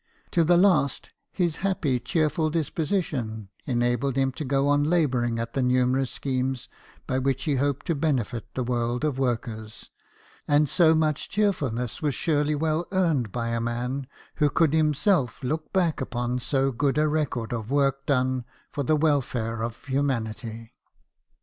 To the last, his happy cheerful disposition enabled him to go on labouring at the numerous schemes by which he hoped to benefit the world of workers ; and so much cheerfulness was surely well earned by a man who could himself look back upon so good a record of work done for the welfare of humanity.